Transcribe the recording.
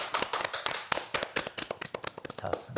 さすが。